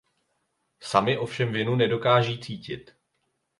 Sami ovšem vinu nedokáží cítit.